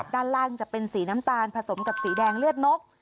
ด้านล่างจะเป็นสีน้ำตาลผสมกับสีแดงเลือดนก